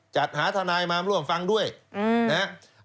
จัดหาทนายมาร่วมฟังด้วยนะครับ